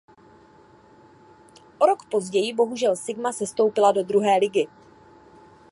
O rok později bohužel Sigma sestoupila do druhé ligy.